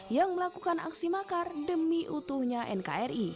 yang melakukan aksi makar demi utuhnya nkri